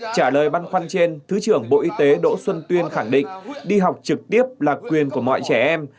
trả lời băn khoăn trên thứ trưởng bộ y tế đỗ xuân tuyên khẳng định đi học trực tiếp là quyền của mọi trẻ em